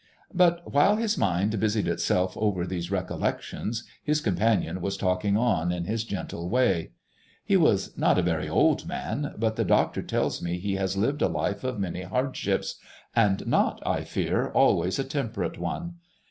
But while his mind busied itself over these recollections his companion was talking on in his, gentle way. "... He is not a very old man: but the Doctor tells me he has lived a life of many hardships, and not, I fear, always a temperate one.